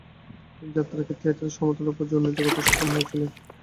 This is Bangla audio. তিনি যাত্রাকে থিয়েটারের সমতুল্য পর্যায়ে উন্নীত করতে সক্ষম হয়েছিলেন।